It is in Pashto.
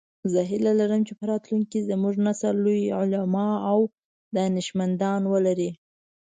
زه هیله لرم چې په راتلونکي کې زموږ نسل لوی علماء او دانشمندان ولری